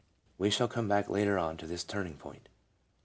We shall come back later on to this turning point.